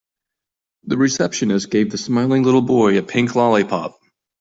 The receptionist gave the smiling little boy a pink lollipop.